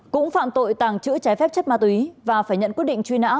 cũng phạm tội tàng trữ trái phép chất ma túy và phải nhận quyết định truy nã